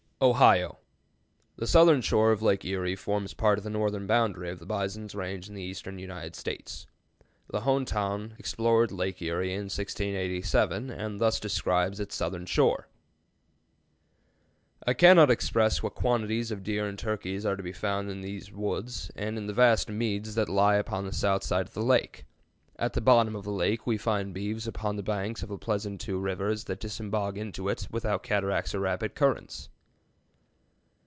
OHIO. The southern shore of Lake Erie forms part of the northern boundary of the bison's range in the eastern United States. La Hontan explored Lake Erie in 1687 and thus describes its southern shore: "I can not express what quantities of Deer and Turkeys are to be found in these Woods, and in the vast Meads that lye upon the South side of the Lake. At the bottom of the Lake we find beeves upon the Banks of two pleasant Rivers that disembogue into it, without Cataracts or Rapid Currents."